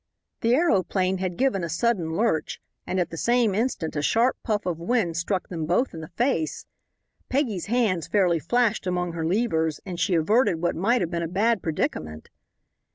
The aeroplane had given a sudden lurch, and at the same instant a sharp puff of wind struck them both in the face. Peggy's hands fairly flashed among her levers, and she averted what might have been a bad predicament.